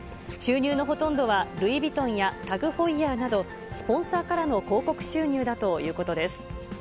収入のほとんどは、ルイ・ヴィトンやタグ・ホイヤーなど、スポンサーからの広告収入だということです。